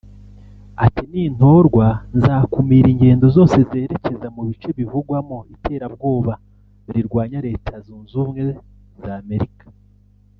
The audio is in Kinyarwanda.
Ati “Nintorwa nzakumira ingendo zose zerekeza mu bice bivugwamo iterabwoba rirwanya Leta Zunze Ubumwe za Amerika